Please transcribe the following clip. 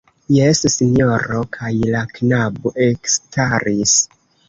Jes, sinjoro, kaj la knabo ekstaris.